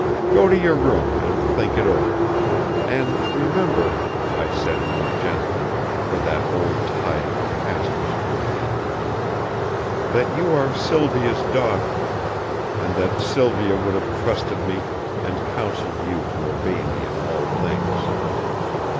Go to your room and think it over, and remember," I said more gently, for that old tide of the past was coming in, "that you are Sylvia's daughter, and that Sylvia would have trusted me and counselled you to obey me in all things."